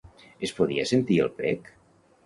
Es podia sentir el prec?